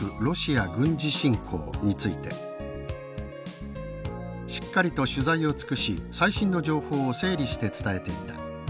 ロシア軍事侵攻」について「しっかりと取材を尽くし最新の情報を整理して伝えていた。